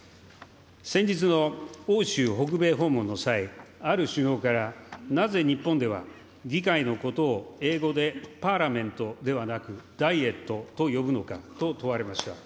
先日の欧州・北米訪問の際、ある首脳から、なぜ日本では、議会のことを英語でｐａｒｌｉａｍｅｎｔではなく、Ｄｉｅｔと呼ぶのかと問われました。